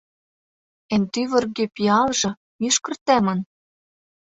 Эн тӱвыргӧ пиалже — мӱшкыр темын?